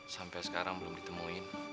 sampai sekarang belum ditemuin